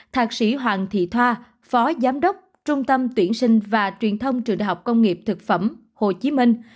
thạc sĩ hoàng thị thoa phó giám đốc trung tâm tuyển sinh và truyền thông trường đại học công nghiệp thực phẩm hồ chí minh